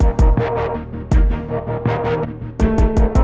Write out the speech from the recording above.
jadi perlu banyak istirahat dulu